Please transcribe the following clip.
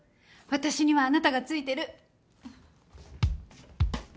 私にはあなたが付いてる。